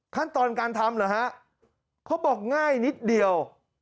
ขั้นตอนการทำเหรอฮะเขาบอกง่ายนิดเดียว